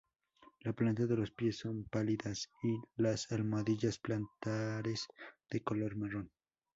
La planta de los pies son pálidas y las almohadillas plantares de color marrón.